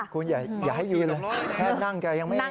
คุณอย่าให้ยืนเลยแค่นั่งแกยังไม่